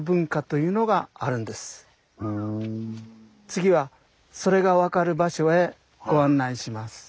次はそれが分かる場所へご案内します。